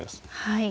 はい。